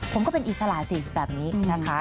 ผมก็เป็นอิสระสิแบบนี้นะคะ